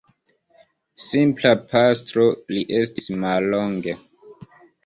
Simpla pastro li estis mallonge.